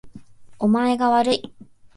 お前がわるい